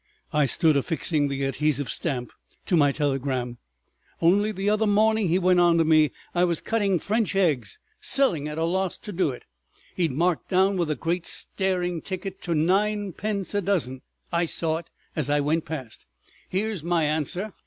I stood affixing the adhesive stamp to my telegram. "Only the other morning," he went on to me, "I was cutting French eggs. Selling at a loss to do it. He'd marked down with a great staring ticket to ninepence a dozen—I saw it as I went past. Here's my answer!"